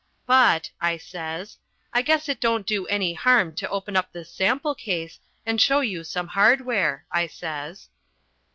But," I says, "I guess it don't do any harm to open up this sample case, and show you some hardware," I says.